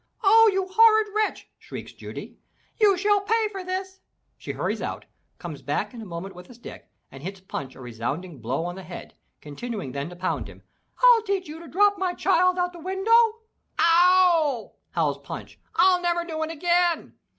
"Oh you horrid wretch!*' shrieks Judy. "You shall pay for this!" She hurries out, comes back in a moment with a stick, and hits Punch a resounding blow on the head, continuing then to pound him. "FU teach you to drop my child out the window!" "Ow wow," howls Punch. "FU never do it again!"